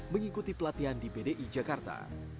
mengikuti pelatihan di bdi jakarta